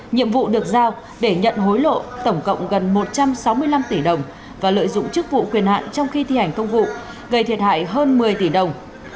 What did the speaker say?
nhiệm vụ được giao để nhận hối lộ tổng cộng gần một trăm sáu mươi năm tỷ đồng và lợi dụng chức vụ quyền hạn trong khi thi hành công vụ gây thiệt hại hơn một mươi tỷ đồng